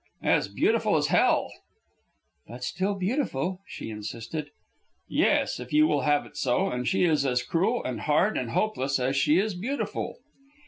"As beautiful as hell." "But still beautiful," she insisted. "Yes, if you will have it so. And she is as cruel, and hard, and hopeless as she is beautiful."